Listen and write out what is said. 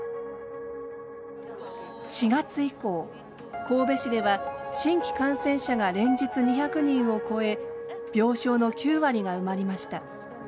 ４月以降神戸市では新規感染者が連日２００人を超え病床の９割が埋まりました。